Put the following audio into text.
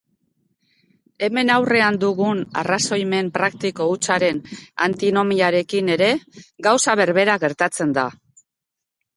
Hemen aurrean dugun arrazoimen praktiko hutsaren antinomiarekin ere gauza berbera gertatzen da.